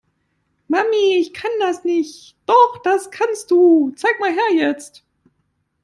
Mami, ich kann das nicht. Doch, das kannst du. Zeig mal her jetzt.